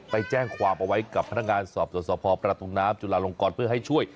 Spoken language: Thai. ไปแจ้งความเอาไว้กับพนักงานสอบสวนสพประตูน้ำจุลาลงกรเพื่อให้ช่วย